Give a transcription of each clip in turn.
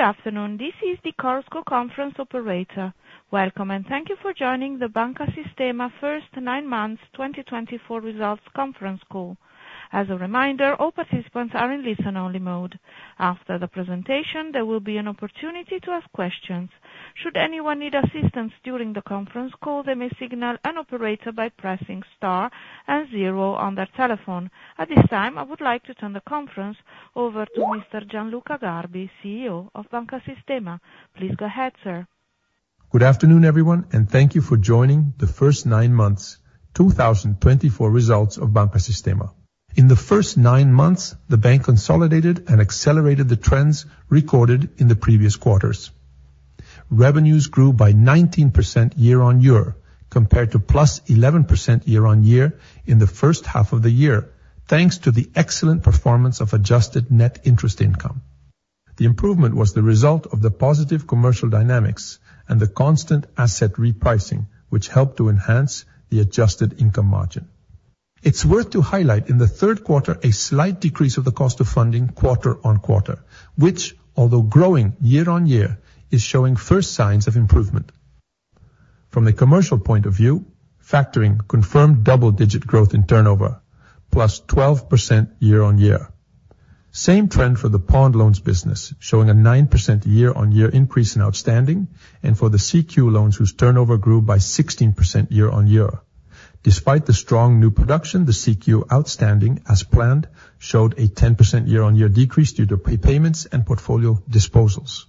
Good afternoon, this is the Chorus Call. Welcome, and thank you for joining the Banca Sistema First 9 Months 2024 Results Conference call. As a reminder, all participants are in listen-only mode. After the presentation, there will be an opportunity to ask questions. Should anyone need assistance during the conference call, they may signal an operator by pressing star and 0 on their telephone. At this time, I would like to turn the conference over to Mr. Gianluca Garbi, CEO of Banca Sistema. Please go ahead, sir. Good afternoon, everyone, and thank you for joining the First Nine Months 2024 Results of Banca Sistema. In the first nine months, the bank consolidated and accelerated the trends recorded in the previous quarters. Revenues grew by 19% year-on-year compared to +11% year-on-year in the first half of the year, thanks to the excellent performance of adjusted net interest income. The improvement was the result of the positive commercial dynamics and the constant asset repricing, which helped to enhance the adjusted income margin. It's worth to highlight in the third quarter a slight decrease of the cost of funding quarter-on-quarter, which, although growing year-on-year, is showing first signs of improvement. From a commercial point of view, factoring confirmed double-digit growth in turnover, +12% year-on-year. Same trend for the pawn loans business, showing a 9% year-on-year increase in outstanding, and for the CQ loans whose turnover grew by 16% year-on-year. Despite the strong new production, the CQ outstanding, as planned, showed a 10% year-on-year decrease due to prepayments and portfolio disposals.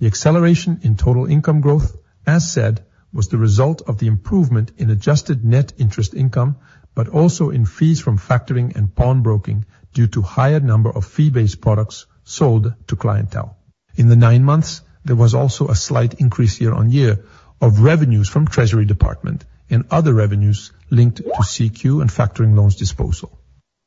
The acceleration in total income growth, as said, was the result of the improvement in adjusted net interest income but also in fees from factoring and pawnbroking due to a higher number of fee-based products sold to clientele. In the nine months, there was also a slight increase year-on-year of revenues from Treasury Department and other revenues linked to CQ and factoring loans disposal.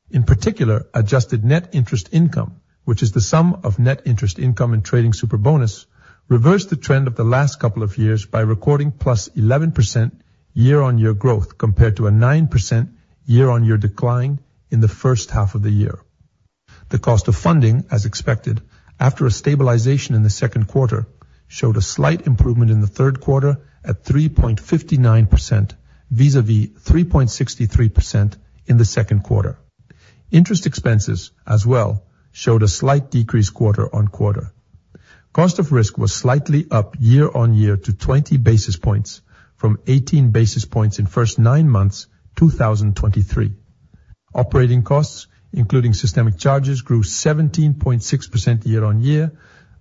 In particular, adjusted net interest income, which is the sum of net interest income and trading Superbonus, reversed the trend of the last couple of years by recording +11% year-on-year growth compared to a 9% year-on-year decline in the first half of the year. The cost of funding, as expected after a stabilization in the second quarter, showed a slight improvement in the third quarter at 3.59% vis-à-vis 3.63% in the second quarter. Interest expenses, as well, showed a slight decrease quarter-on-quarter. Cost of risk was slightly up year-on-year to 20 basis points from 18 basis points in first 9 months 2023. Operating costs, including systemic charges, grew 17.6% year-on-year,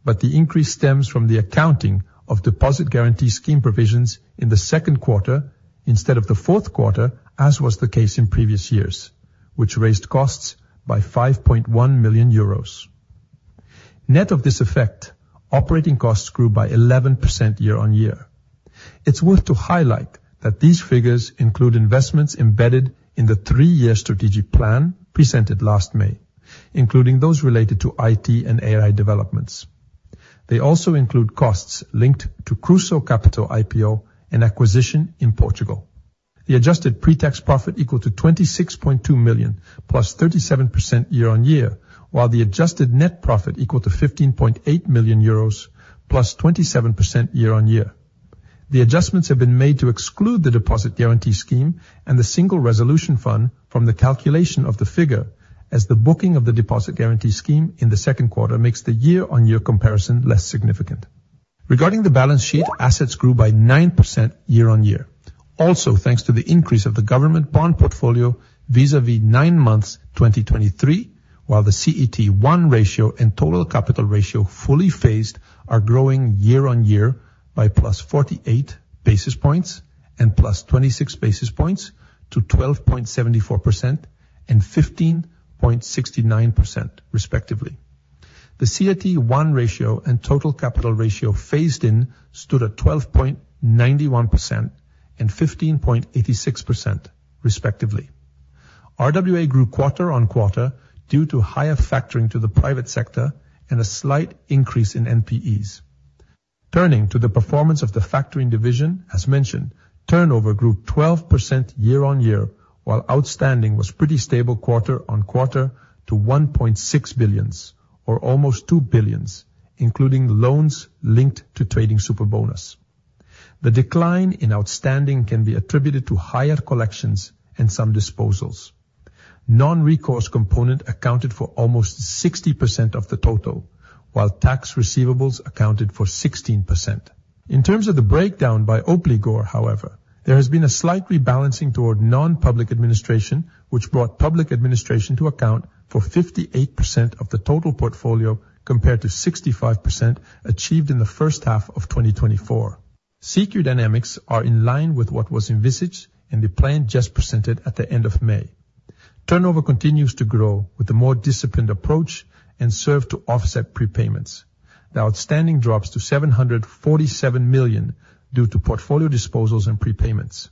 but the increase stems from the accounting of Deposit Guarantee Scheme provisions in the second quarter instead of the fourth quarter, as was the case in previous years, which raised costs by 5.1 million euros. Net of this effect, operating costs grew by 11% year-on-year. It's worth to highlight that these figures include investments embedded in the 3-year strategic plan presented last May, including those related to IT and AI developments. They also include costs linked to Kruso Kapital IPO and acquisition in Portugal. The adjusted pretax profit equaled to 26.2 million +37% year-on-year, while the adjusted net profit equaled to 15.8 million euros +27% year-on-year. The adjustments have been made to exclude the Deposit Guarantee Scheme and the Single Resolution Fund from the calculation of the figure, as the booking of the Deposit Guarantee Scheme in the second quarter makes the year-on-year comparison less significant. Regarding the balance sheet, assets grew by 9% year-on-year, also thanks to the increase of the government bond portfolio vis-à-vis 9 months 2023, while the CET1 ratio and total capital ratio fully phased are growing year-on-year by +48 basis points and +26 basis points to 12.74% and 15.69%, respectively. The CET1 ratio and total capital ratio phased in stood at 12.91% and 15.86%, respectively. RWA grew quarter-on-quarter due to higher factoring to the private sector and a slight increase in NPEs. Turning to the performance of the factoring division, as mentioned, turnover grew 12% year-on-year, while outstanding was pretty stable quarter-on-quarter to 1.6 billion, or almost 2 billion, including loans linked to trading Superbonus. The decline in outstanding can be attributed to higher collections and some disposals. Non-recourse component accounted for almost 60% of the total, while tax receivables accounted for 16%. In terms of the breakdown by obligor, however, there has been a slight rebalancing toward non-public administration, which brought public administration to account for 58% of the total portfolio compared to 65% achieved in the first half of 2024. CQ dynamics are in line with what was envisaged and the plan just presented at the end of May. Turnover continues to grow with a more disciplined approach and serve to offset prepayments. The outstanding drops to 747 million due to portfolio disposals and prepayments.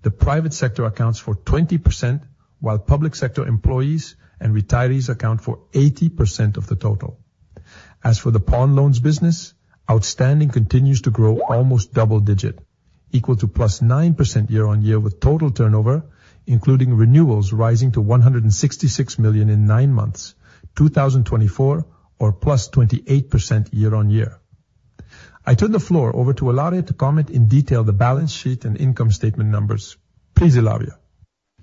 The private sector accounts for 20%, while public sector employees and retirees account for 80% of the total. As for the pawn loans business, outstanding continues to grow almost double-digit, equal to +9% year-on-year with total turnover, including renewals rising to 166 million in 9 months 2024, or +28% year-on-year. I turn the floor over to Ilaria to comment in detail the balance sheet and income statement numbers. Please, Ilaria.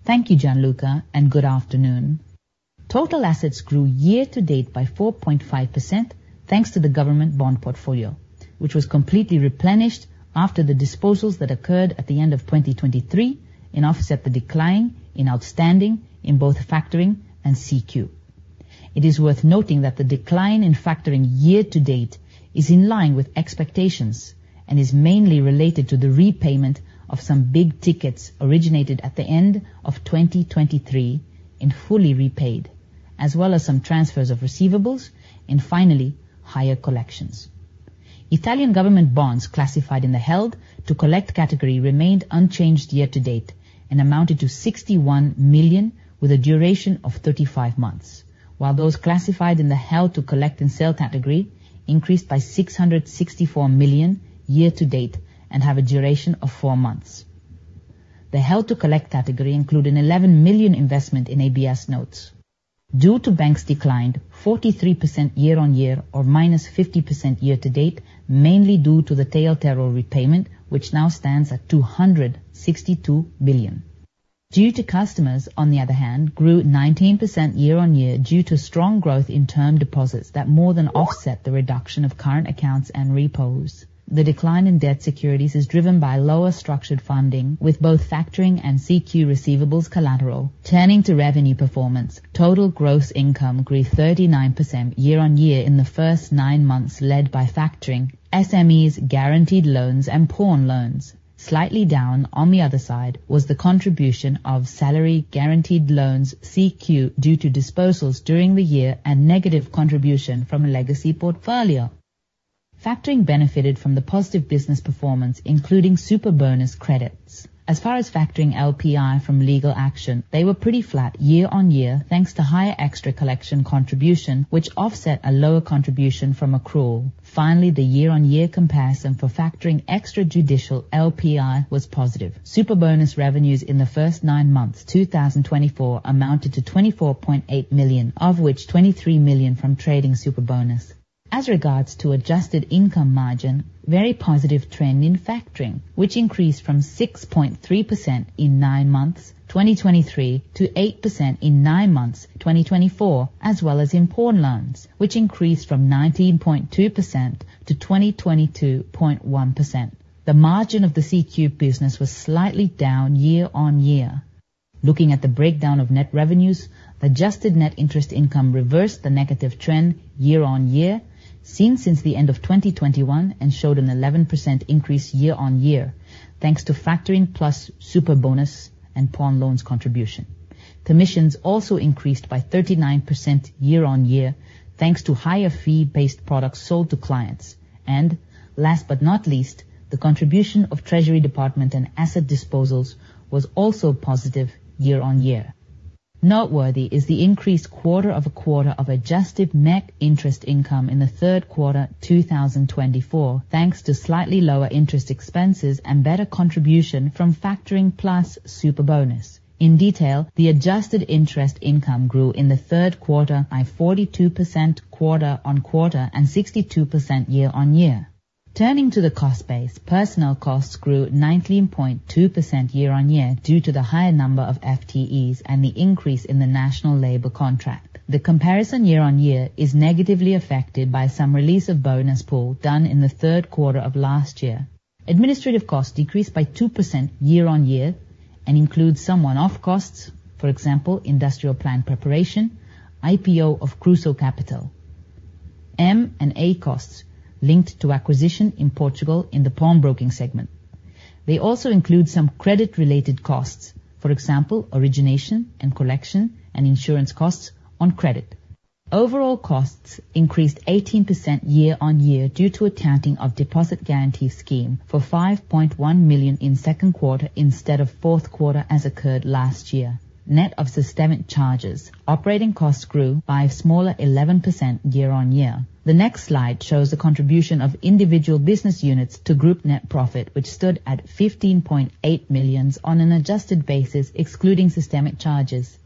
Thank you, Gianluca, and good afternoon. Total assets grew year-to-date by 4.5% thanks to the government bond portfolio, which was completely replenished after the disposals that occurred at the end of 2023 to offset the decline in outstandings in both factoring and CQ. It is worth noting that the decline in factoring year-to-date is in line with expectations and is mainly related to the repayment of some big tickets originated at the end of 2023, which were fully repaid, as well as some transfers of receivables and, finally, higher collections. Italian government bonds classified in the held-to-collect category remained unchanged year-to-date and amounted to 61 million with a duration of 35 months, while those classified in the held-to-collect and sale category increased by 664 million year-to-date and have a duration of four months. The held-to-collect category included 11 million investment in ABS notes. Deposits to banks declined 43% year-on-year or -50% year-to-date, mainly due to the TLTRO repayment, which now stands at 262 million. Deposits to customers, on the other hand, grew 19% year-on-year due to strong growth in term deposits that more than offset the reduction of current accounts and repos. The decline in debt securities is driven by lower structured funding, with both factoring and CQ receivables collateral. Turning to revenue performance, total gross income grew 39% year-on-year in the first nine months led by factoring, SMEs guaranteed loans, and pawn loans. Slightly down, on the other side, was the contribution of salary guaranteed loans CQ due to disposals during the year and negative contribution from a legacy portfolio. Factoring benefited from the positive business performance, including Superbonus credits. As far as factoring LPI from legal action, they were pretty flat year-on-year thanks to higher extra collection contribution, which offset a lower contribution from accrual. Finally, the year-on-year comparison for factoring extrajudicial LPI was positive. Superbonus revenues in the first 9 months 2024 amounted to 24.8 million, of which 23 million from trading Superbonus. As regards to adjusted income margin, very positive trend in factoring, which increased from 6.3% in 9 months 2023 to 8% in 9 months 2024, as well as in pawn loans, which increased from 19.2% to 20.1%. The margin of the CQ business was slightly down year-on-year. Looking at the breakdown of net revenues, adjusted net interest income reversed the negative trend year-on-year seen since the end of 2021 and showed an 11% increase year-on-year thanks to factoring plus Superbonus and pawn loans contribution. Commissions also increased by 39% year-on-year thanks to higher fee-based products sold to clients, and, last but not least, the contribution of Treasury Department and asset disposals was also positive year-on-year. Noteworthy is the increased quarter of a quarter of adjusted net interest income in the third quarter 2024 thanks to slightly lower interest expenses and better contribution from factoring plus Superbonus. In detail, the adjusted interest income grew in the third quarter by 42% quarter-on-quarter and 62% year-on-year. Turning to the cost base, personal costs grew 19.2% year-on-year due to the higher number of FTEs and the increase in the national labor contract. The comparison year-on-year is negatively affected by some release of bonus pool done in the third quarter of last year. Administrative costs decreased by 2% year-on-year and include some one-off costs, for example, industrial plan preparation, IPO of Kruso Kapital, and costs linked to acquisition in Portugal in the pawnbroking segment. They also include some credit-related costs, for example, origination and collection and insurance costs on credit. Overall costs increased 18% year-on-year due to accounting of Deposit Guarantee Scheme for 5.1 million in second quarter instead of fourth quarter as occurred last year. Net of systemic charges, operating costs grew by a smaller 11% year-on-year. The next slide shows the contribution of individual business units to group net profit, which stood at 15.8 million on an adjusted basis excluding systemic charges.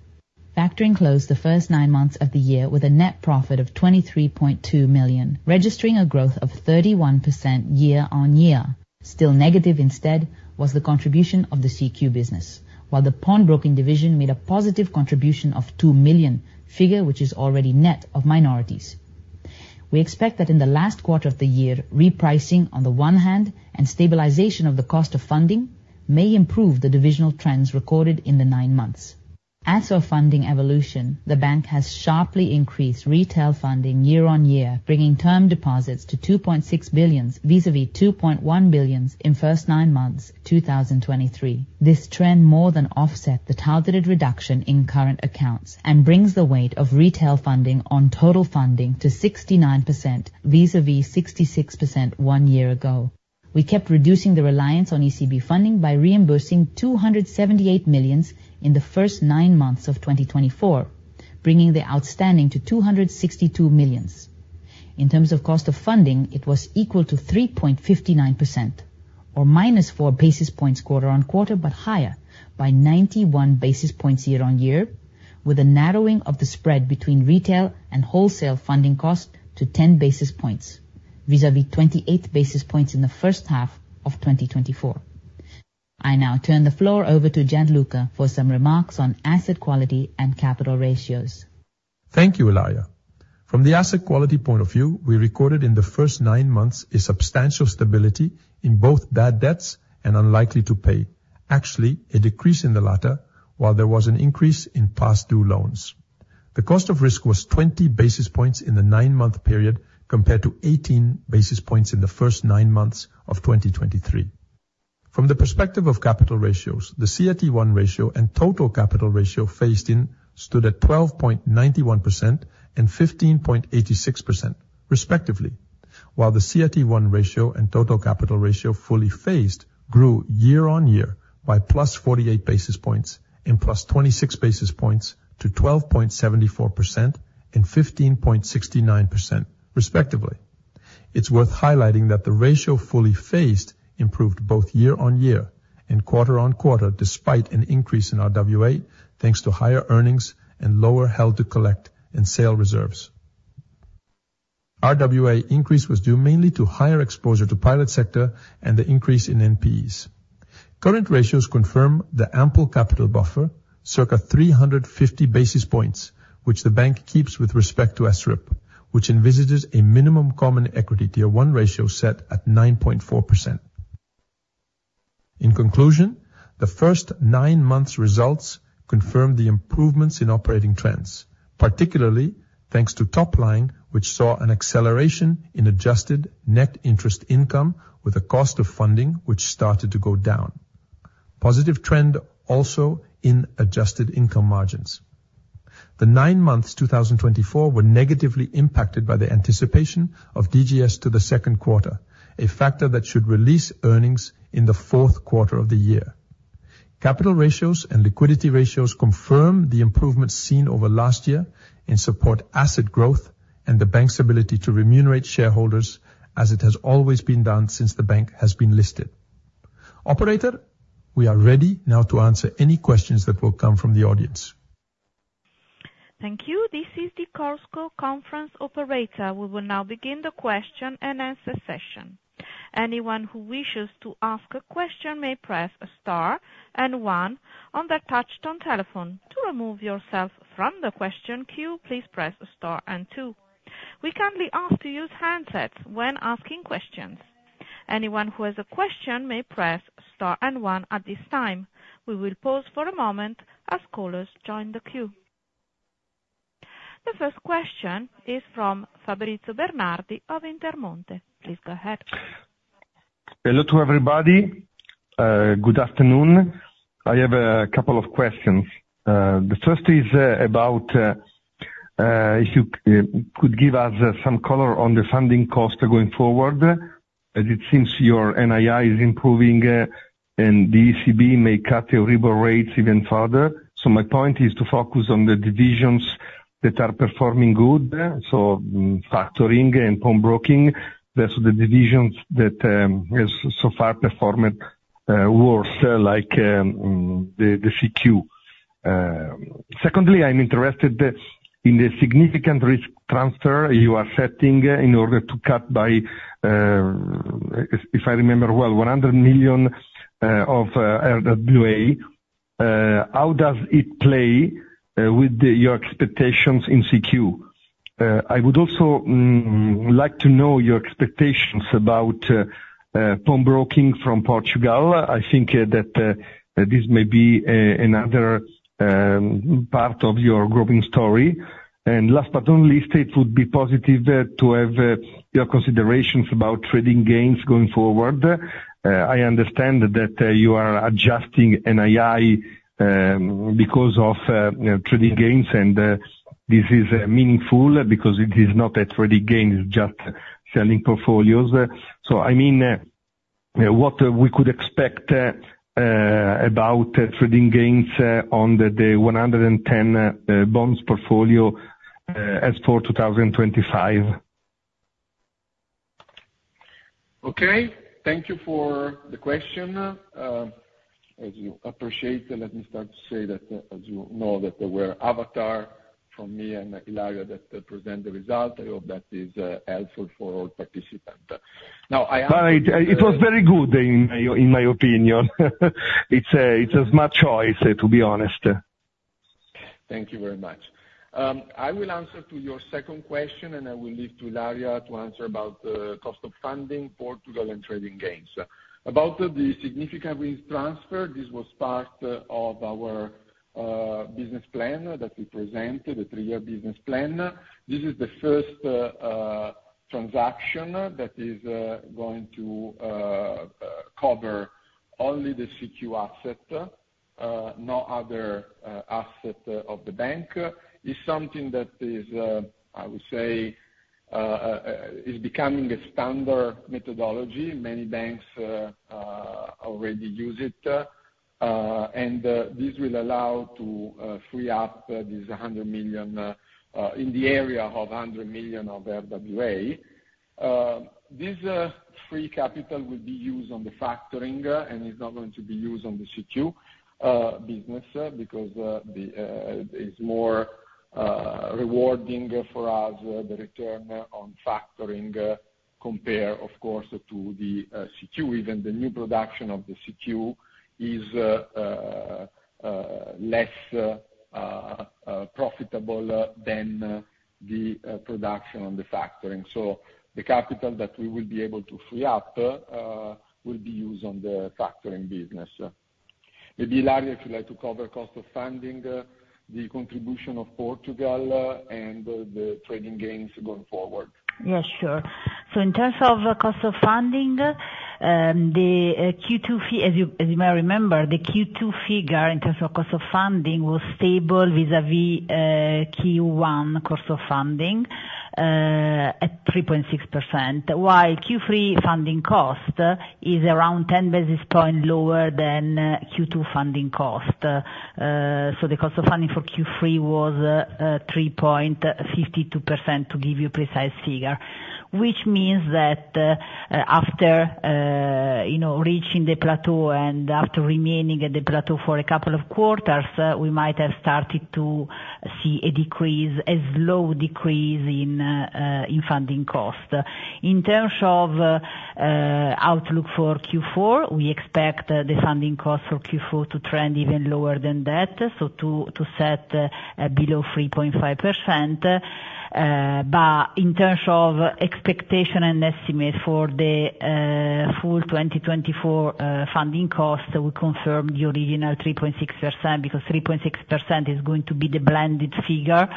Factoring closed the first nine months of the year with a net profit of 23.2 million, registering a growth of 31% year-on-year. Still negative instead was the contribution of the CQ business, while the pawnbroking division made a positive contribution of 2 million, figure which is already net of minorities. We expect that in the last quarter of the year, repricing on the one hand and stabilization of the cost of funding may improve the divisional trends recorded in the 9 months. As for funding evolution, the bank has sharply increased retail funding year-on-year, bringing term deposits to 2.6 billion vis-à-vis 2.1 billion in first 9 months 2023. This trend more than offset the targeted reduction in current accounts and brings the weight of retail funding on total funding to 69% vis-à-vis 66% one year ago. We kept reducing the reliance on ECB funding by reimbursing 278 million in the first 9 months of 2024, bringing the outstanding to 262 million. In terms of cost of funding, it was equal to 3.59%, or -4 basis points quarter-on-quarter but higher by 91 basis points year-on-year, with a narrowing of the spread between retail and wholesale funding cost to 10 basis points vis-à-vis 28 basis points in the first half of 2024. I now turn the floor over to Gianluca for some remarks on asset quality and capital ratios. Thank you, Ilaria. From the asset quality point of view, we recorded in the first nine months a substantial stability in both bad debts and unlikely-to-pay, actually a decrease in the latter, while there was an increase in past-due loans. The cost of risk was 20 basis points in the 9-month period compared to 18 basis points in the first nine months of 2023. From the perspective of capital ratios, the CET1 ratio and total capital ratio phased in stood at 12.91% and 15.86%, respectively, while the CET1 ratio and total capital ratio fully phased grew year-on-year by +48 basis points and +26 basis points to 12.74% and 15.69%, respectively. It's worth highlighting that the ratio fully phased improved both year-on-year and quarter-over-quarter despite an increase in RWA thanks to higher earnings and lower held-to-collect and sale reserves. RWA increase was due mainly to higher exposure to private sector and the increase in NPEs. Current ratios confirm the ample capital buffer, circa 350 basis points, which the bank keeps with respect to SREP, which envisages a minimum common equity tier 1 ratio set at 9.4%. In conclusion, the first nine months' results confirmed the improvements in operating trends, particularly thanks to top line which saw an acceleration in adjusted net interest income with a cost of funding which started to go down. Positive trend also in adjusted income margins. The nine months 2024 were negatively impacted by the anticipation of DGS to the second quarter, a factor that should release earnings in the fourth quarter of the year. Capital ratios and liquidity ratios confirm the improvements seen over last year and support asset growth and the bank's ability to remunerate shareholders as it has always been done since the bank has been listed. Operator, we are ready now to answer any questions that will come from the audience. Thank you. This is the Chorus Call Conference Operator. We will now begin the question and answer session. Anyone who wishes to ask a question may press a star and one on the touch tone telephone. To remove yourself from the question queue, please press a star and two. We kindly ask to use handsets when asking questions. Anyone who has a question may press star and one at this time. We will pause for a moment as callers join the queue. The first question is from Fabrizio Bernardi of Intermonte. Please go ahead. Hello to everybody. Good afternoon. I have a couple of questions. The first is about if you could give us some color on the funding cost going forward, as it seems your NII is improving and the ECB may cut the repo rates even further. My point is to focus on the divisions that are performing good, so factoring and pawnbroking, versus the divisions that have so far performed worse, like the CQ. Secondly, I'm interested in the significant risk transfer you are setting in order to cut by, if I remember well, 100 million of RWA. How does it play with your expectations in CQ? I would also like to know your expectations about pawnbroking from Portugal. I think that this may be another part of your growing story. And last but not least, it would be positive to have your considerations about trading gains going forward. I understand that you are adjusting NII because of trading gains, and this is meaningful because it is not a trading gain, it's just selling portfolios. So I mean, what we could expect about trading gains on the 110 bonds portfolio as for 2025? Okay. Thank you for the question. As you appreciate, let me start to say that as you know that there were overheads from me and Ilaria that present the result. I hope that is helpful for all participants. Now, I asked. It was very good, in my opinion. It's a smart choice, to be honest. Thank you very much. I will answer to your second question, and I will leave to Ilaria to answer about the cost of funding, Portugal, and trading gains. About the significant risk transfer, this was part of our business plan that we presented, the three-year business plan. This is the first transaction that is going to cover only the CQ asset, no other asset of the bank. It's something that is, I would say, becoming a standard methodology. Many banks already use it, and this will allow to free up this 100 million in the area of 100 million of RWA. This free capital will be used on the factoring and is not going to be used on the CQ business because it's more rewarding for us, the return on factoring, compare, of course, to the CQ. Even the new production of the CQ is less profitable than the production on the factoring. So the capital that we will be able to free up will be used on the factoring business. Maybe, Ilaria, if you'd like to cover cost of funding, the contribution of Portugal, and the trading gains going forward. Yes, sure. So in terms of cost of funding, the Q2 figure, as you may remember, the Q2 figure in terms of cost of funding was stable vis-à-vis Q1 cost of funding at 3.6%, while Q3 funding cost is around 10 basis points lower than Q2 funding cost. So the cost of funding for Q3 was 3.52%, to give you a precise figure, which means that after reaching the plateau and after remaining at the plateau for a couple of quarters, we might have started to see a decrease, a slow decrease in funding cost. In terms of outlook for Q4, we expect the funding cost for Q4 to trend even lower than that, so to set below 3.5%. But in terms of expectation and estimate for the full 2024 funding cost, we confirm the original 3.6% because 3.6% is going to be the blended figure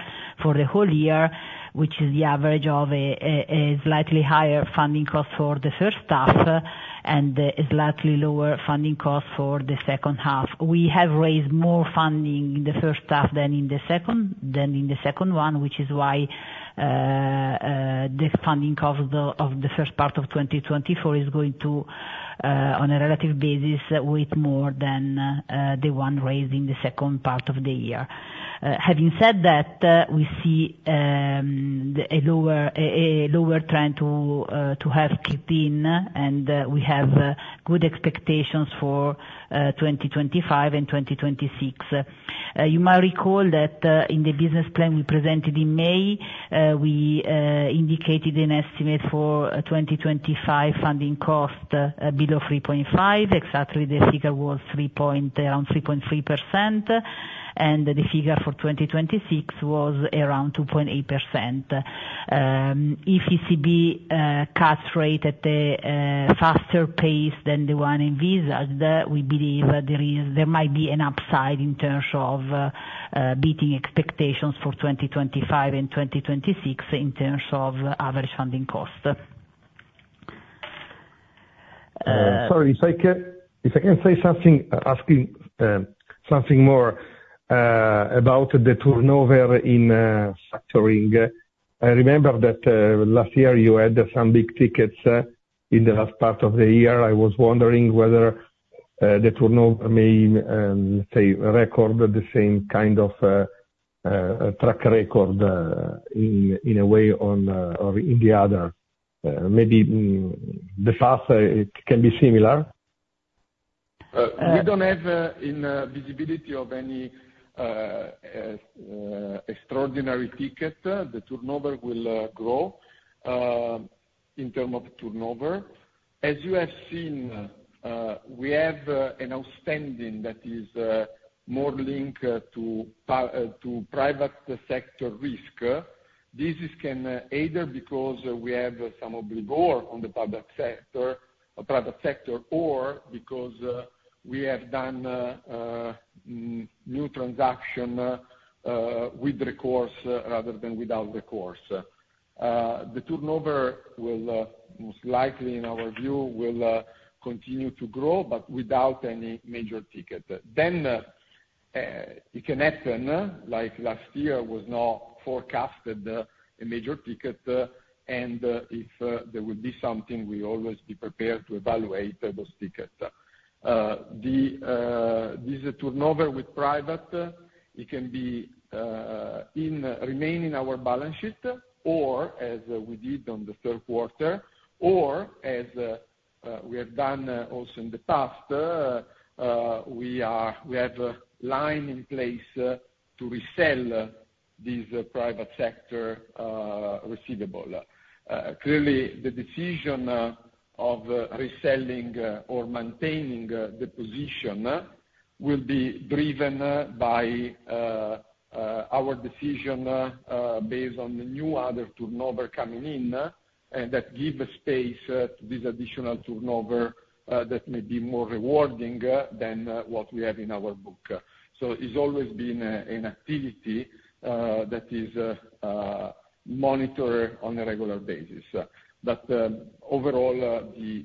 for the whole year, which is the average of a slightly higher funding cost for the first half and a slightly lower funding cost for the second half. We have raised more funding in the first half than in the second one, which is why the funding cost of the first part of 2024 is going to, on a relative basis, weigh more than the one raised in the second part of the year. Having said that, we see a lower trend ahead. Keep in mind, and we have good expectations for 2025 and 2026. You might recall that in the business plan we presented in May, we indicated an estimate for 2025 funding cost below 3.5%. Exactly, the figure was around 3.3%, and the figure for 2026 was around 2.8%. If ECB cuts rate at a faster pace than the one envisaged, we believe there might be an upside in terms of beating expectations for 2025 and 2026 in terms of average funding cost. Sorry, if I can say something, asking something more about the turnover in factoring. I remember that last year you had some big tickets in the last part of the year. I was wondering whether the turnover may, say, record the same kind of track record in a way or in the other. Maybe the path can be similar. We don't have visibility of any extraordinary ticket. The turnover will grow in terms of turnover. As you have seen, we have an outstanding that is more linked to private sector risk. This can either be because we have some obligor on the private sector or because we have done new transaction with recourse rather than without recourse. The turnover will, most likely in our view, continue to grow but without any major ticket. Then it can happen, like last year was not forecasted a major ticket, and if there will be something, we always be prepared to evaluate those tickets. This turnover with private, it can remain in our balance sheet or, as we did on the third quarter, or as we have done also in the past, we have a line in place to resell this private sector receivable. Clearly, the decision of reselling or maintaining the position will be driven by our decision based on the new other turnover coming in that gives space to this additional turnover that may be more rewarding than what we have in our book. So it's always been an activity that is monitored on a regular basis. But overall, the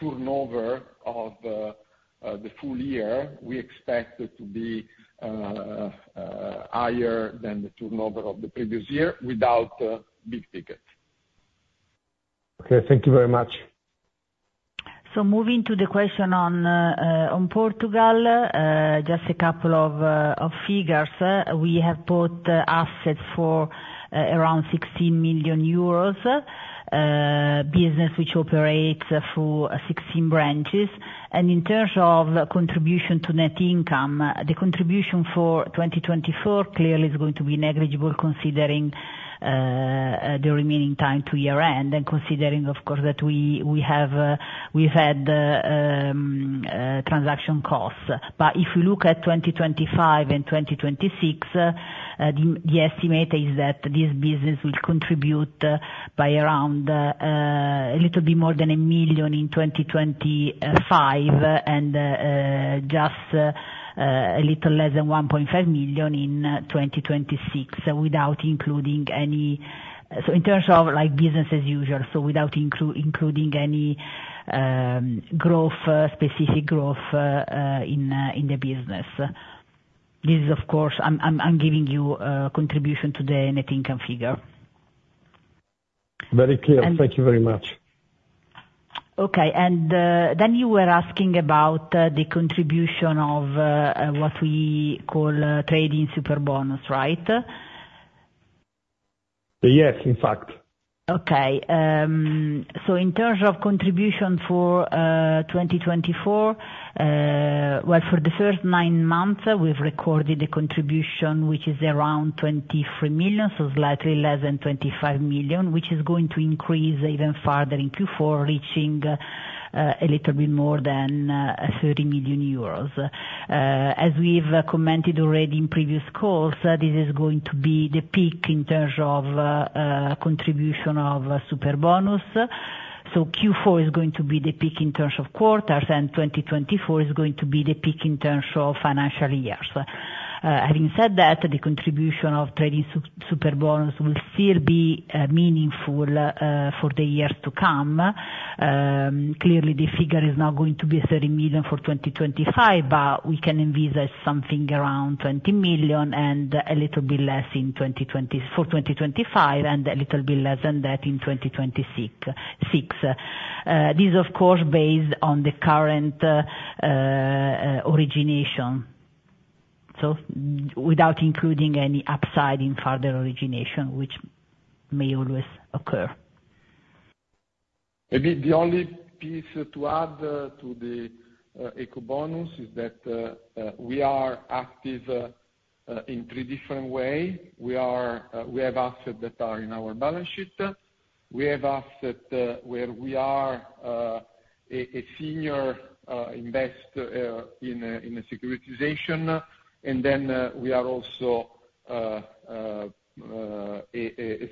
turnover of the full year, we expect it to be higher than the turnover of the previous year without big tickets. Okay. Thank you very much. So moving to the question on Portugal, just a couple of figures. We have put assets for around 16 million euros, business which operates through 16 branches. And in terms of contribution to net income, the contribution for 2024 clearly is going to be negligible considering the remaining time to year-end and considering, of course, that we've had transaction costs. But if we look at 2025 and 2026, the estimate is that this business will contribute by around a little bit more than 1 million in 2025 and just a little less than 1.5 million in 2026 without including any so in terms of business as usual, so without including any specific growth in the business. This is, of course, I'm giving you contribution to the net income figure. Very clear. Thank you very much. Okay. And then you were asking about the contribution of what we call trading Superbonus, right? Yes, in fact. Okay. So in terms of contribution for 2024, well, for the first nine months, we've recorded a contribution which is around 23 million, so slightly less than 25 million, which is going to increase even further in Q4, reaching a little bit more than 30 million euros. As we've commented already in previous calls, this is going to be the peak in terms of contribution of Superbonus. So Q4 is going to be the peak in terms of quarters, and 2024 is going to be the peak in terms of financial years. Having said that, the contribution of trading Superbonus will still be meaningful for the years to come. Clearly, the figure is not going to be 30 million for 2025, but we can envisage something around 20 million and a little bit less for 2025 and a little bit less than that in 2026. This is, of course, based on the current origination, so without including any upside in further origination, which may always occur. Maybe the only piece to add to the Superbonus is that we are active in three different ways. We have assets that are in our balance sheet. We have assets where we are a senior investor in securitization, and then we are also a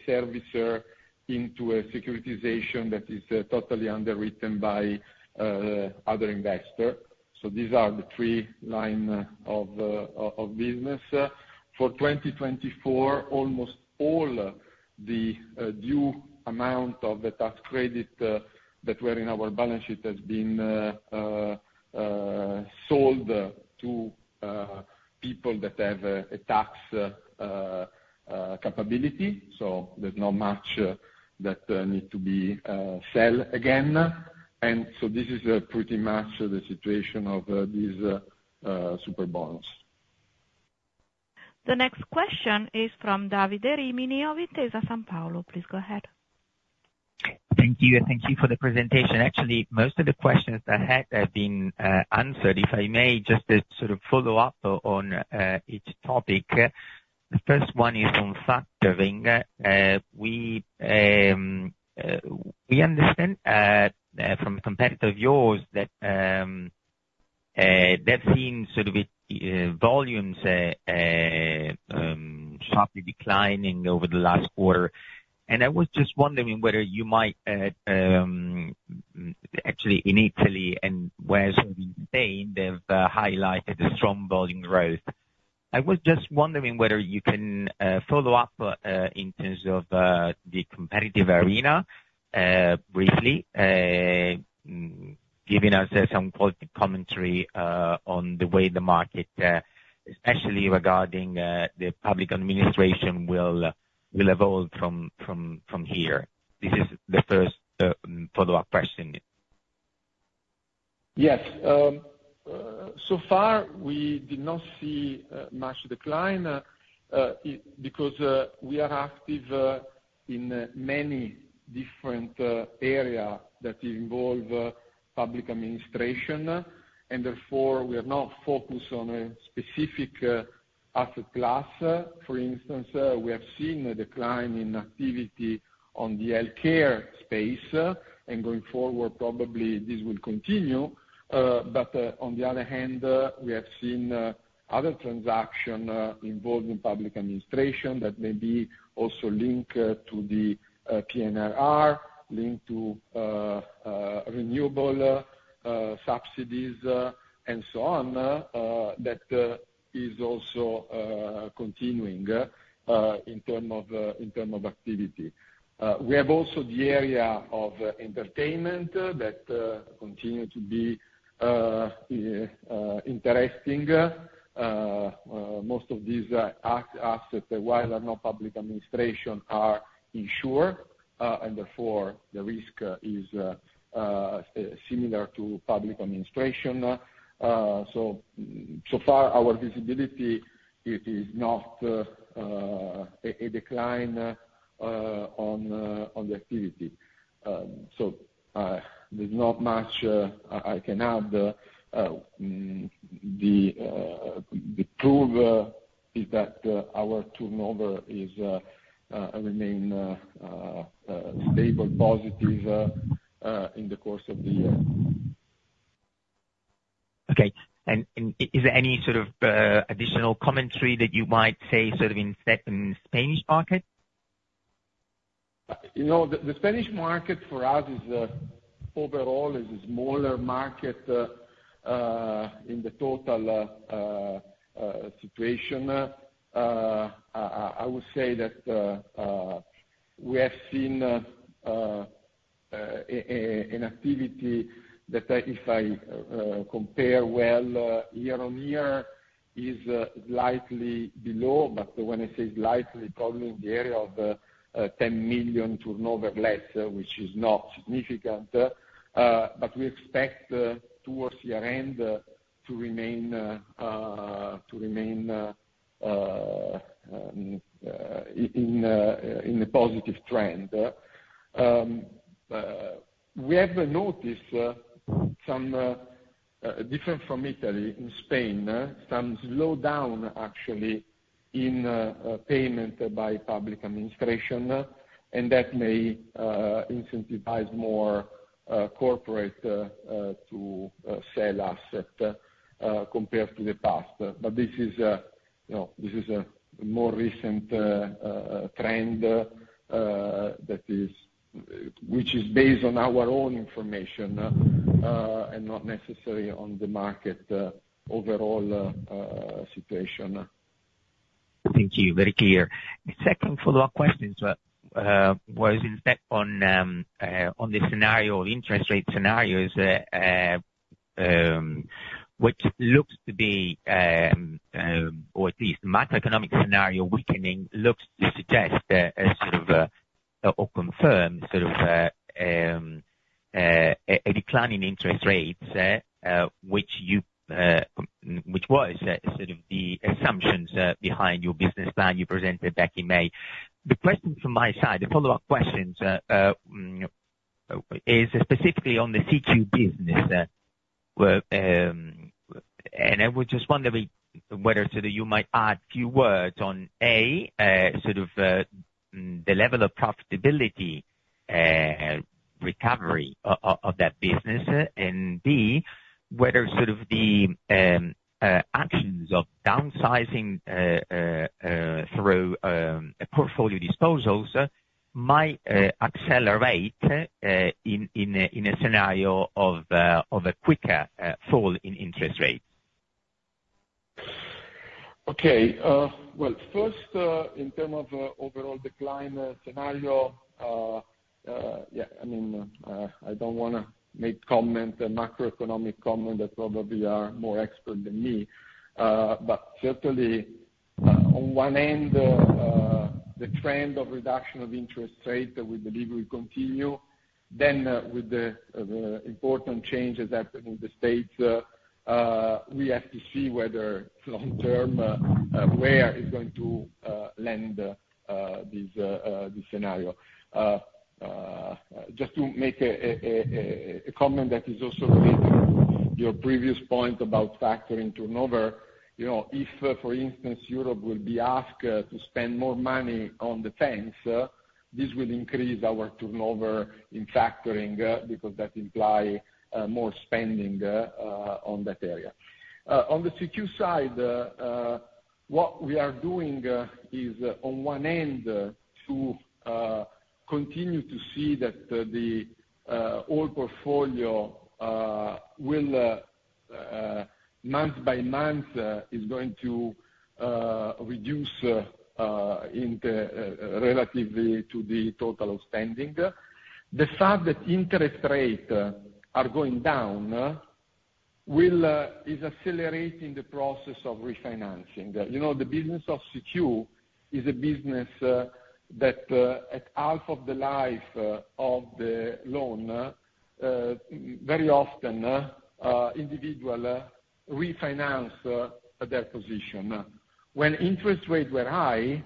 servicer into a securitization that is totally underwritten by other investors. So these are the three lines of business. For 2024, almost all the due amount of the tax credit that were in our balance sheet has been sold to people that have a tax capability. So there's not much that needs to be sell again. And so this is pretty much the situation of this Superbonus. The next question is from Davide Rimini of Intesa Sanpaolo. Please go ahead. Thank you. Thank you for the presentation. Actually, most of the questions ahead have been answered, if I may, just to sort of follow up on each topic. The first one is on factoring. We understand from a competitor of yours that they've seen sort of volumes sharply declining over the last quarter. I was just wondering whether you might actually, in Italy and whereas in Spain, they've highlighted a strong volume growth. I was just wondering whether you can follow up in terms of the competitive arena briefly, giving us some quality commentary on the way the market, especially regarding the public administration, will evolve from here. This is the first follow-up question. Yes. So far, we did not see much decline because we are active in many different areas that involve public administration, and therefore, we are not focused on a specific asset class. For instance, we have seen a decline in activity on the healthcare space, and going forward, probably this will continue. But on the other hand, we have seen other transactions involving public administration that may be also linked to the PNRR, linked to renewable subsidies, and so on, that is also continuing in terms of activity. We have also the area of entertainment that continues to be interesting. Most of these assets, while they're not public administration, are insured, and therefore, the risk is similar to public administration. So far, our visibility, it is not a decline on the activity. So there's not much I can add. The proof is that our turnover remains stable, positive, in the course of the year. Okay. Is there any sort of additional commentary that you might say sort of in the Spanish market? The Spanish market for us, overall, is a smaller market in the total situation. I would say that we have seen an activity that, if I compare well year-over-year, is slightly below. But when I say slightly, probably in the area of 10 million turnover less, which is not significant. But we expect towards year-end to remain in a positive trend. We have noticed some, different from Italy, in Spain, some slowdown, actually, in payment by public administration, and that may incentivize more corporate to sell assets compared to the past. But this is a more recent trend which is based on our own information and not necessarily on the market overall situation. Thank you. Very clear. Second follow-up question was instead on the interest rate scenarios, which looks to be, or at least the macroeconomic scenario weakening looks to suggest sort of or confirm sort of a decline in interest rates, which was sort of the assumptions behind your business plan you presented back in May. The question from my side, the follow-up questions, is specifically on the CQ business. And I would just wonder whether sort of you might add a few words on, A, sort of the level of profitability recovery of that business, and B, whether sort of the actions of downsizing through portfolio disposals might accelerate in a scenario of a quicker fall in interest rates. Okay. Well, first, in terms of overall decline scenario, yeah, I mean, I don't want to make macroeconomic comments that probably are more expert than me. But certainly, on one end, the trend of reduction of interest rate, we believe will continue. Then with the important changes happening in the States, we have to see whether, long term, where it's going to lend this scenario. Just to make a comment that is also related to your previous point about factoring turnover, if, for instance, Europe will be asked to spend more money on defense, this will increase our turnover in factoring because that implies more spending on that area. On the CQ side, what we are doing is, on one end, to continue to see that the whole portfolio, month by month, is going to reduce relatively to the total spending. The fact that interest rates are going down is accelerating the process of refinancing. The business of CQ is a business that, at half of the life of the loan, very often, individuals refinance their position. When interest rates were high,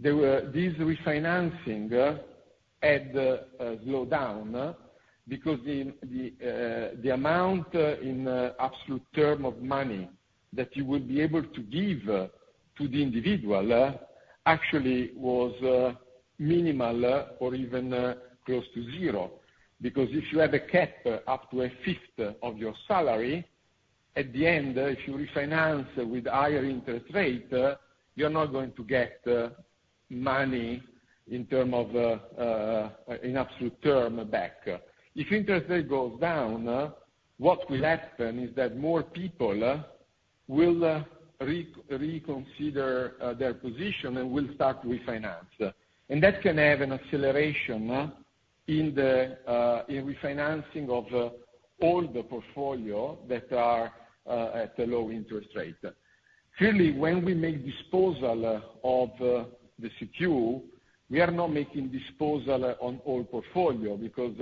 this refinancing had a slowdown because the amount in absolute term of money that you would be able to give to the individual actually was minimal or even close to zero. Because if you have a cap up to a fifth of your salary, at the end, if you refinance with a higher interest rate, you're not going to get money in terms of in absolute term back. If interest rate goes down, what will happen is that more people will reconsider their position and will start to refinance. And that can have an acceleration in refinancing of all the portfolio that are at a low interest rate. Clearly, when we make disposal of the CQ, we are not making disposal on all portfolio because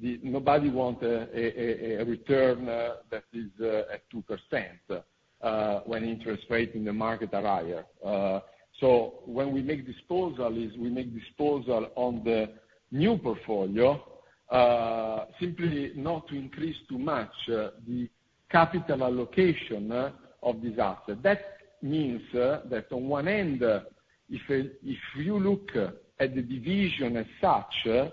nobody wants a return that is at 2% when interest rates in the market are higher. So when we make disposal, we make disposal on the new portfolio, simply not to increase too much the capital allocation of this asset. That means that, on one end, if you look at the division as such,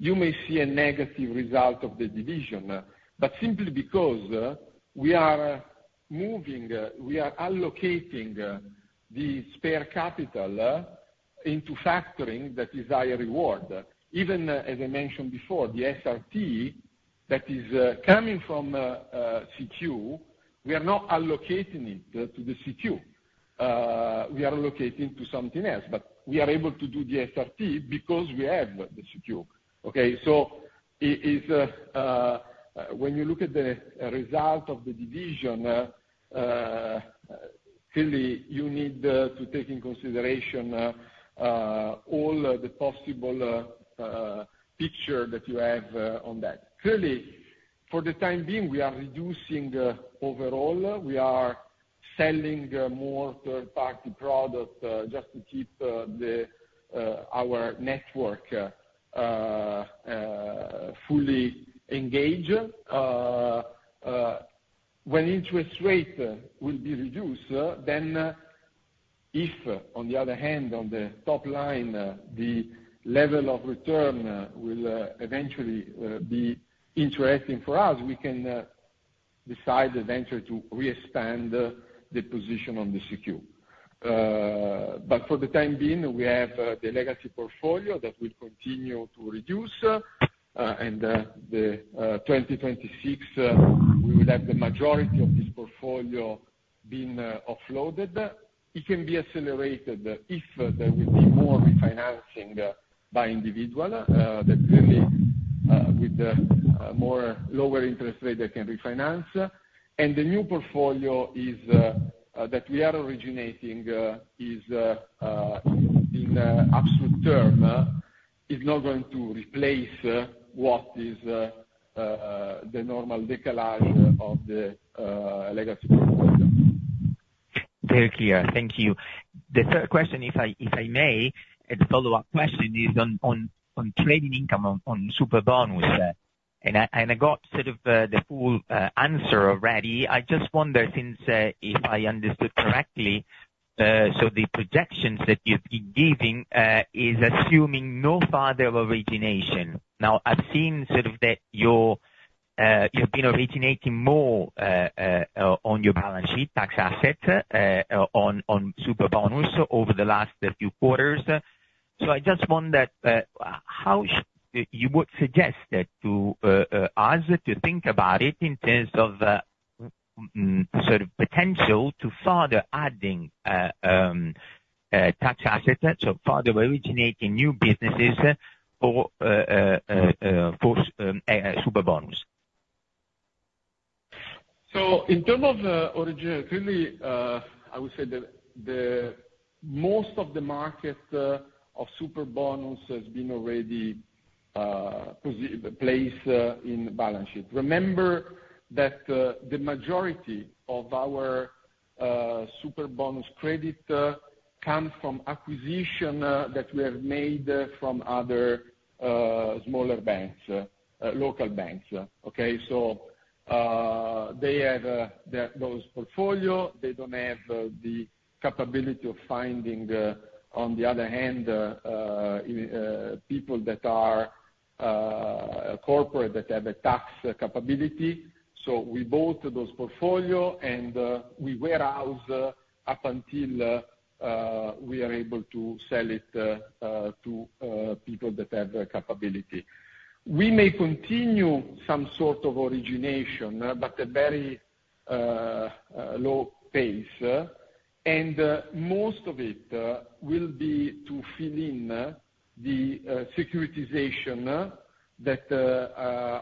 you may see a negative result of the division. But simply because we are allocating the spare capital into factoring, that is higher reward. Even, as I mentioned before, the SRT that is coming from CQ, we are not allocating it to the CQ. We are allocating to something else. But we are able to do the SRT because we have the CQ. Okay? So, when you look at the result of the division, clearly, you need to take into consideration all the possible picture that you have on that. Clearly, for the time being, we are reducing overall. We are selling more third-party product just to keep our network fully engaged. When interest rates will be reduced, then if, on the other hand, on the top line, the level of return will eventually be interesting for us, we can decide eventually to re-expand the position on the CQ. But for the time being, we have the legacy portfolio that will continue to reduce. In 2026, we will have the majority of this portfolio being offloaded. It can be accelerated if there will be more refinancing by individual. That's really with the lower interest rate they can refinance. The new portfolio that we are originating in absolute term is not going to replace what is the normal decalage of the legacy portfolio. Very clear. Thank you. The third question, if I may, a follow-up question is on trading income on Superbonus. I got sort of the full answer already. I just wonder, if I understood correctly, so the projections that you've been giving is assuming no further origination. Now, I've seen sort of that you've been originating more on your balance sheet tax assets on Superbonus over the last few quarters. I just wonder how you would suggest to us to think about it in terms of sort of potential to further adding tax assets, so further originating new businesses for Superbonus. So in terms of origin, clearly, I would say that most of the market of Superbonus has been already placed in balance sheet. Remember that the majority of our Superbonus credit comes from acquisition that we have made from other smaller banks, local banks. Okay? So they have those portfolios. They don't have the capability of finding, on the other hand, people that are corporate that have a tax capability. So we bought those portfolios, and we warehouse up until we are able to sell it to people that have the capability. We may continue some sort of origination, but at a very low pace. And most of it will be to fill in the securitization that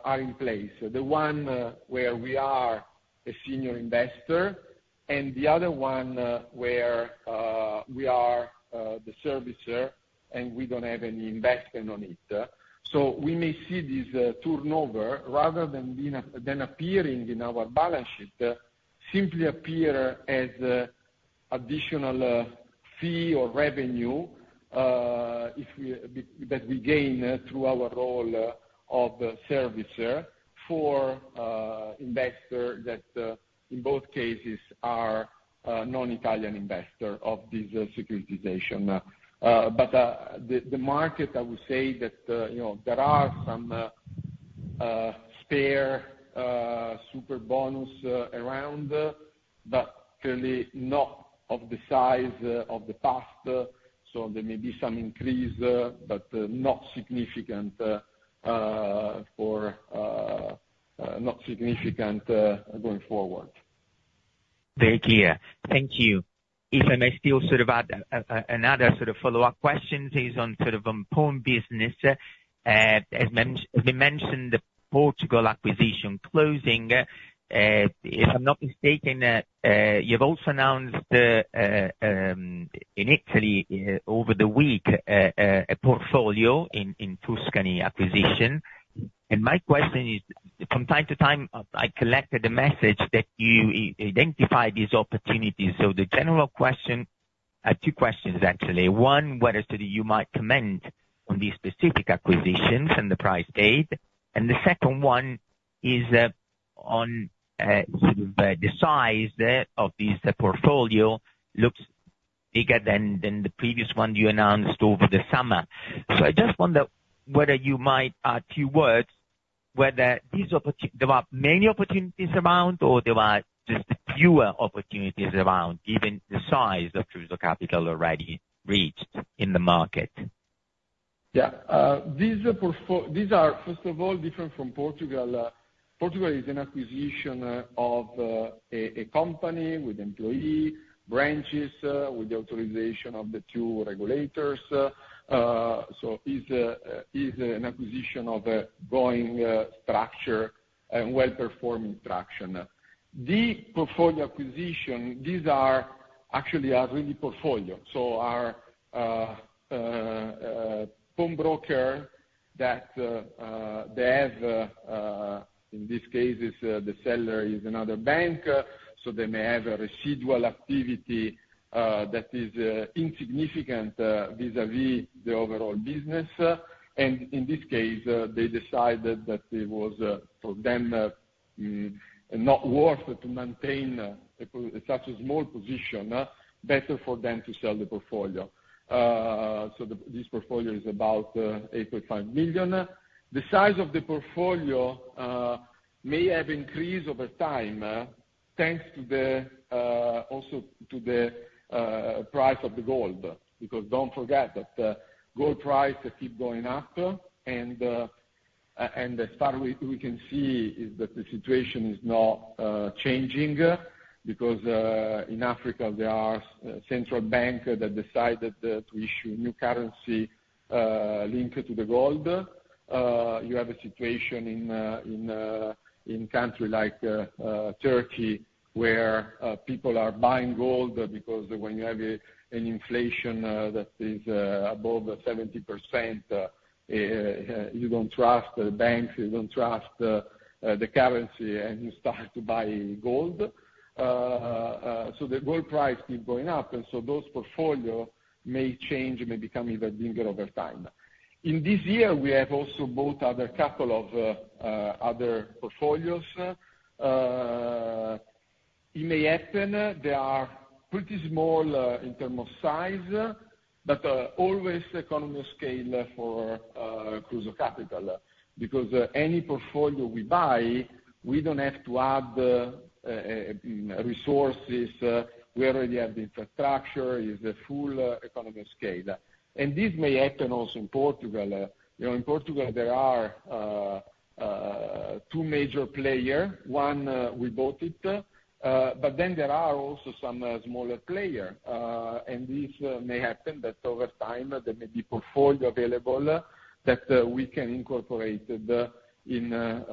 are in place, the one where we are a senior investor and the other one where we are the servicer and we don't have any investment on it. So we may see this turnover rather than appearing in our balance sheet, simply appear as an additional fee or revenue that we gain through our role of servicer for investors that, in both cases, are non-Italian investors of this securitization. But the market, I would say that there are some spare Superbonus around, but clearly not of the size of the past. So there may be some increase, but not significant going forward. Very clear. Thank you. If I may still sort of add another sort of follow-up question, it is sort of on own business. As we mentioned, the Portugal acquisition closing. If I'm not mistaken, you've also announced in Italy over the week a portfolio in Tuscany acquisition. And my question is, from time to time, I collected a message that you identified these opportunities. So the general question I have two questions, actually. One, whether sort of you might comment on these specific acquisitions and the price paid. And the second one is on sort of the size of this portfolio looks bigger than the previous one you announced over the summer. So I just wonder whether you might add a few words whether there are many opportunities around or there are just fewer opportunities around given the size of the capital already reached in the market. Yeah. These are, first of all, different from Portugal. Portugal is an acquisition of a company with employees, branches with the authorization of the two regulators. So it's an acquisition of a growing structure and well-performing structure. The portfolio acquisition, these actually are really portfolios. So our home broker that they have, in this case, the seller is another bank. So they may have a residual activity that is insignificant vis-à-vis the overall business. And in this case, they decided that it was for them not worth to maintain such a small position, better for them to sell the portfolio. So this portfolio is about 8.5 million. The size of the portfolio may have increased over time thanks also to the price of the gold because don't forget that gold prices keep going up. As far as we can see, is that the situation is not changing because in Africa, there are central banks that decided to issue new currency linked to the gold. You have a situation in a country like Turkey where people are buying gold because when you have an inflation that is above 70%, you don't trust the banks, you don't trust the currency, and you start to buy gold. So the gold price keeps going up. And so those portfolios may change, may become even bigger over time. In this year, we have also bought a couple of other portfolios. It may happen they are pretty small in terms of size, but always economy of scale for Kruso Kapital because any portfolio we buy, we don't have to add resources. We already have the infrastructure. It's a full economy of scale. And this may happen also in Portugal. In Portugal, there are two major players. One, we bought it. But then there are also some smaller players. And this may happen that over time, there may be portfolio available that we can incorporate in our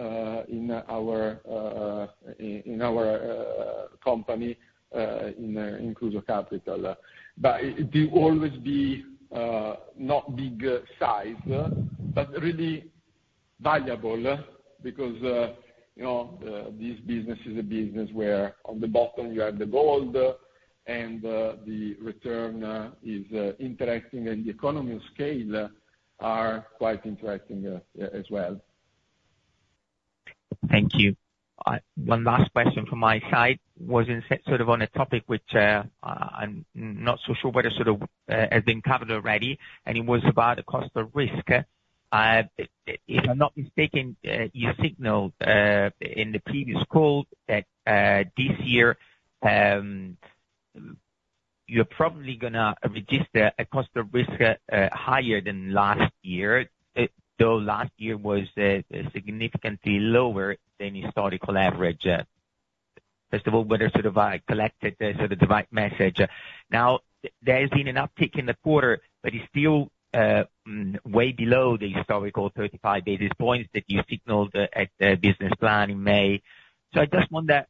company in Kruso Kapital. But it will always be not big size, but really valuable because this business is a business where, on the bottom, you have the gold, and the return is interesting, and the economy of scale are quite interesting as well. Thank you. One last question from my side was sort of on a topic which I'm not so sure whether sort of has been covered already. It was about the cost of risk. If I'm not mistaken, you signaled in the previous call that this year, you're probably going to register a cost of risk higher than last year, though last year was significantly lower than historical average. First of all, whether sort of I collected sort of the right message. Now, there has been an uptick in the quarter, but it's still way below the historical 35 basis points that you signaled at the business plan in May. I just wonder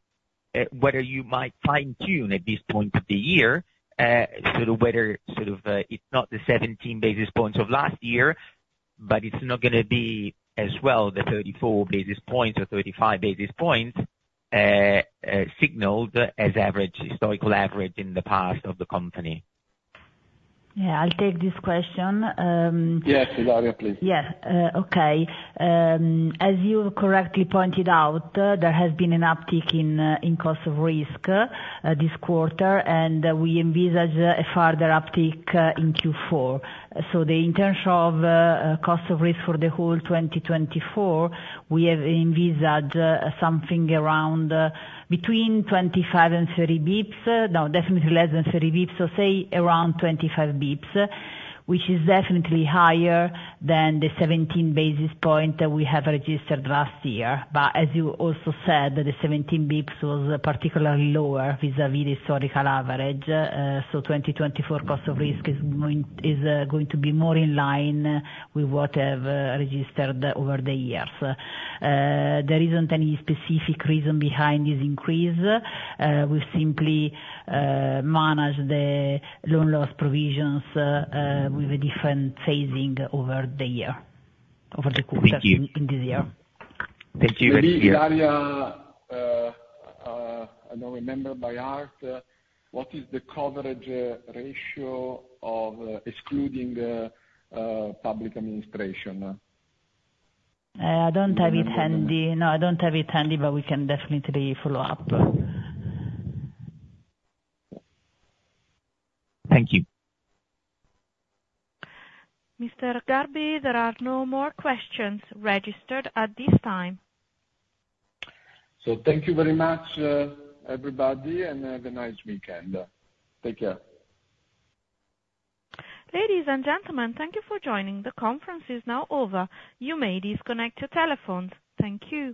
whether you might fine-tune at this point of the year sort of whether sort of it's not the 17 basis points of last year, but it's not going to be as well the 34 basis points or 35 basis points signaled as historical average in the past of the company. Yeah. I'll take this question. Yes, Ilaria, please. Yes. Okay. As you correctly pointed out, there has been an uptick in cost of risk this quarter, and we envisage a further uptick in Q4. So the intention of cost of risk for the whole 2024, we have envisaged something around between 25 and 30 basis points. Now, definitely less than 30 basis points. So say around 25 basis points, which is definitely higher than the 17 basis point that we have registered last year. But as you also said, the 17 bips was particularly lower vis-à-vis the historical average. So 2024 cost of risk is going to be more in line with what have registered over the years. There isn't any specific reason behind this increase. We've simply managed the loan loss provisions with a different phasing over the quarters in this year. Thank you. Thank you very much. Maybe, Ilaria, I don't remember by heart, what is the coverage ratio of excluding public administration? I don't have it handy. No, I don't have it handy, but we can definitely follow up. Thank you. Mr. Garbi, there are no more questions registered at this time. Thank you very much, everybody, and have a nice weekend. Take care. Ladies and gentlemen, thank you for joining. The conference is now over. You may disconnect your telephones. Thank you.